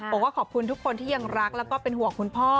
บอกว่าขอบคุณทุกคนที่ยังรักแล้วก็เป็นห่วงคุณพ่อ